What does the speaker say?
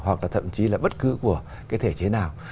hoặc là thậm chí là bất cứ của cái thể chế nào